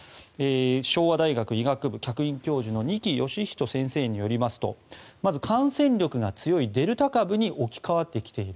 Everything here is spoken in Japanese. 昭和大学医学部客員教授の二木芳人先生によりますとまず、感染力が強いデルタ株に置き換わってきている。